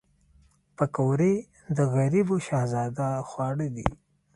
پکورې د غریبو شهزاده خواړه دي